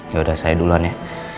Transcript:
yaudah saya duluan ya